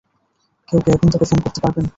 কেউ কি এখন তাকে ফোন করতে পারবেন?